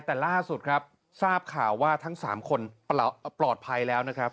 แต่ล่าสุดครับทราบข่าวว่าทั้ง๓คนปลอดภัยแล้วนะครับ